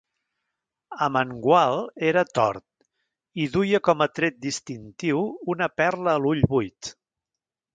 Amengual era tort i duia com a tret distintiu una perla a l'ull buit.